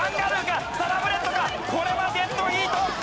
これはデッドヒート！